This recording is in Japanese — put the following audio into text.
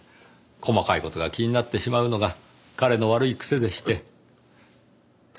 細かい事が気になってしまうのが彼の悪い癖でして。